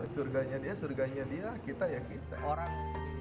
surganya dia surganya dia kita ya kita